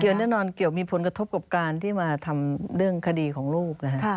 เดือนแน่นอนเกี่ยวมีผลกระทบกับการที่มาทำเรื่องคดีของลูกนะฮะ